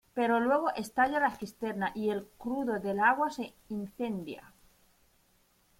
Pero luego estalla la cisterna y el crudo del agua se incendia.